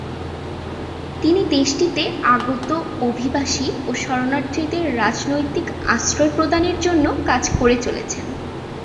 তিনি দেশটিতে আগত অভিবাসী ও শরণার্থীদের রাজনৈতিক আশ্রয় প্রদানের জন্য কাজ করে চলেছেন।